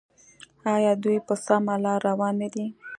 آیا دوی په سمه لار روان نه دي؟